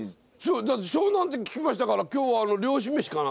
だって湘南って聞きましたから今日は漁師メシかな。